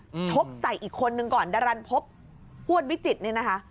ชกใส่อีกคนนึงก่อนดารันพบพวดวิจิตรเนี่ยนะคะ